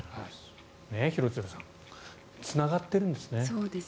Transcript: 廣津留さんつながっているんですね。